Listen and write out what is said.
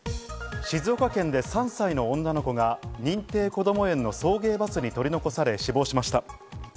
静岡県で３歳の女の子が認定こども園の送迎バスに取り残され、死亡しました。